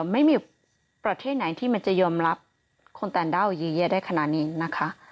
ไม่มีประเทศไหนที่มันจะยอมรับคนต่างด้าวเยอะแยะได้ขนาดนี้นะคะ